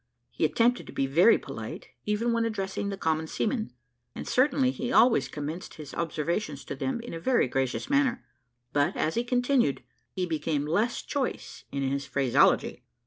He attempted to be very polite, even when addressing the common seamen, and, certainly, he always commenced his observations to them in a very gracious manner, but, as he continued, he became less choice in his phraseology.